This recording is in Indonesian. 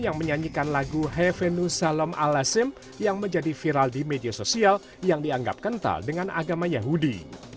yang menyanyikan lagu hevenu salom alasim yang menjadi viral di media sosial yang dianggap kental dengan agama yahudi